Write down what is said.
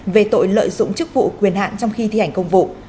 về tội lợi dụng chức vụ quyền hạn trong khi thi hành công vụ